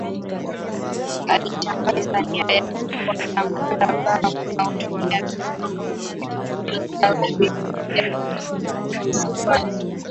Alitangaza nia yake kuona mkataba unatumika pia Visiwani